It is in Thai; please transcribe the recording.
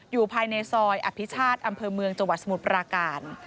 อยู่ภายในซอยอภิชาติอำเภอเมืองจังหวัดสมุทรปราการ